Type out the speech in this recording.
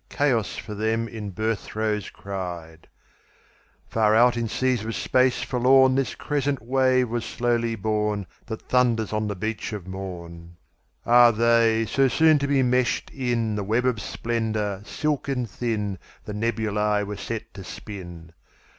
Chaos for them in birth throes cried. Far out in seas of Space forlornThis crescent wave was slowly bornThat thunders on the beach of morn. Ah, they, so soon to be meshed inThe web of splendour, silken thin, The nebulae were set to spin!